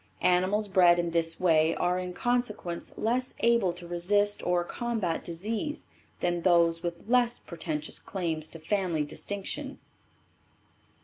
Animals bred in this way are in consequence less able to resist or combat disease than those with less pretentious claims to family distinction.